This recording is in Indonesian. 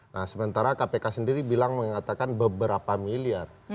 nah sementara kpk sendiri bilang mengatakan beberapa miliar